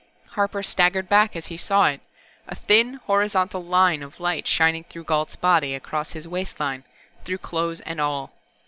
Harper staggered back as he saw it a thin, horizontal line of light shining through Gault's body across his waistline, through clothes and all.